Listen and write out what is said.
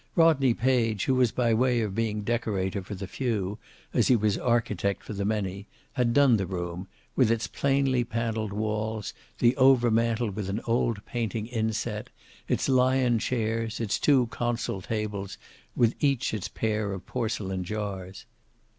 Rodney Page, who was by way of being decorator for the few, as he was architect for the many, had done the room, with its plainly paneled walls, the over mantel with an old painting inset, its lion chairs, its two console tables with each its pair of porcelain jars.